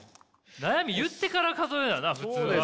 悩み言ってから数えなな普通は。